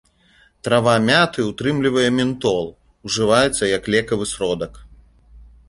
Трава мяты ўтрымлівае ментол, ужываецца як лекавы сродак.